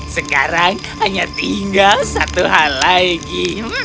sekarang hanya tinggal satu hal lagi